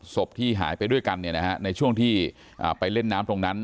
ศพที่หายไปด้วยกันเนี่ยนะฮะในช่วงที่อ่าไปเล่นน้ำตรงนั้น